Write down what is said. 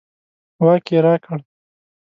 واک یې راکړ.